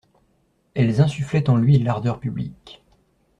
Elles insufflaient en lui l'ardeur publique.